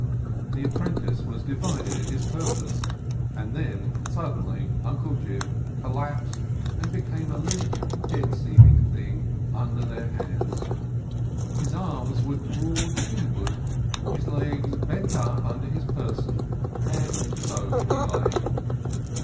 The apprentice was divided in his purpose. And then suddenly Uncle Jim collapsed and became a limp, dead seeming thing under their hands. His arms were drawn inward, his legs bent up under his person, and so he lay.